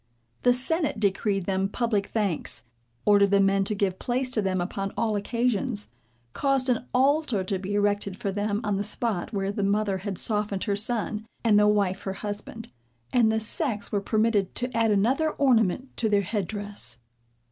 The senate decreed them public thanks, ordered the men to give place to them upon all occasions, caused an altar to be erected for them on the spot where the mother had softened her son, and the wife her husband; and the sex were permitted to add another ornament to their head dress.